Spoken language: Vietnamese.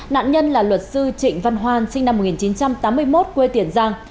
nạn nhân là luật sư trịnh văn hoan sinh năm một nghìn chín trăm tám mươi một quê tiền giang